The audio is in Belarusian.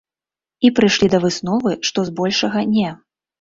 І прыйшлі да высновы, што, з большага, не.